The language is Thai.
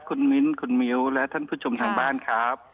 คุณมิ้นคุณมิ้วและท่านผู้ชมทางบ้านครับ